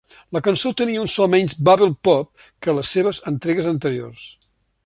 La cançó tenia un so menys "bubble pop" que les seves entregues anteriors.